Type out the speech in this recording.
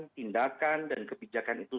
tindakan dan kebijakan itu